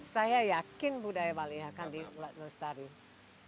saya yakin budaya bali akan dilestarikan